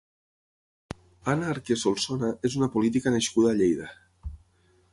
Anna Arqué Solsona és una política nascuda a Lleida.